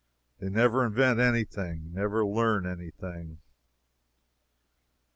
They never invent any thing, never learn any thing.